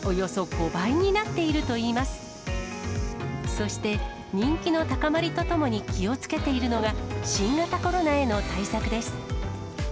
そして、人気の高まりとともに気をつけているのが、新型コロナへの対策です。